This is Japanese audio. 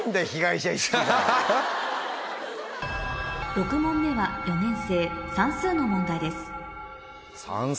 ６問目は４年生算数の問題です算数！